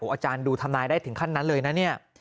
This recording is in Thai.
อาจารย์ดูทำนายได้ถึงขั้นนั้นเลยนะเนี่ย